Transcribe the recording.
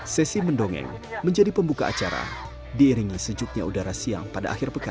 sesi mendongeng menjadi pembuka acara diiringi sejuknya udara siang pada akhir pekan